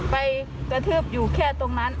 ไปกระทืบอยู่แค่ตรงนั้น